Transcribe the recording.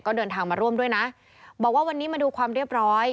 ก็เดินทางมาร่วมด้วยนะบอกว่าวันนี้มาดูความเรียบร้อย